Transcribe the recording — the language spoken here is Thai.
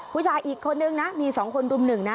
ผู้ชายอีกคนนึงนะมี๒คนรุมหนึ่งนะ